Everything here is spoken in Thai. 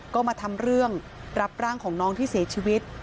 ก็มาทำเรื่องรับร่างของน้องที่เสียชีวิต